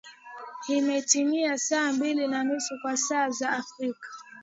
imetimia saa mbili na nusu kwa saa za afrika